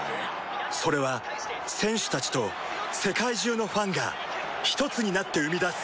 それは選手たちと世界中のファンがひとつになって生み出す